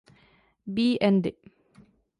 B. Andy.